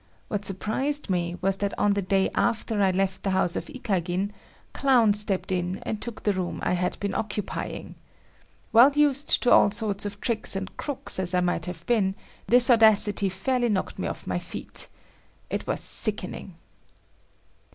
What surprised me was that on the day after I left the house of Ikagin, Clown stepped in and took the room I had been occupying. Well used to all sorts of tricks and crooks as I might have been, this audacity fairly knocked me off my feet. It was sickening.